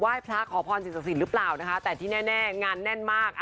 ว่าให้พระขอพรศิษย์ศักดิ์ศิลป์หรือเปล่าแต่ที่แน่งานแน่นมาก